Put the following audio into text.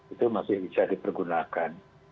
itu masih bisa dipergunakan